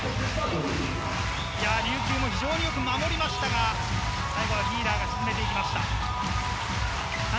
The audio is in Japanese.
琉球も非常に守りましたが、最後はフィーラーが沈めて行きました。